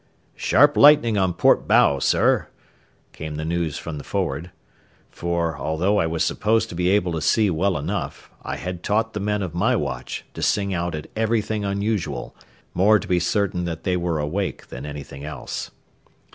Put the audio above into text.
"Sharp lightning on port bow, sir," came the news from the forward; for, although I was supposed to be able to see well enough, I had taught the men of my watch to sing out at everything unusual, more to be certain that they were awake than anything else.